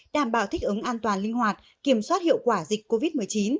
đảm bảo thích ứng an toàn linh hoạt kiểm soát hiệu quả dịch covid một mươi chín